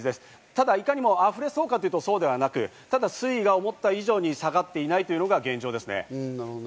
ただいかにも溢れそうかというと、そうではなくて、水位が思った以上に下がっていないというのが現状ですね。